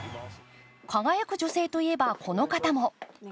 輝く女性といえば、この方も。